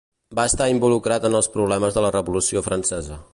Va estar involucrat en els problemes de la Revolució francesa.